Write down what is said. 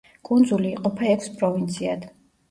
კუნძული იყოფა ექვს პროვინციად.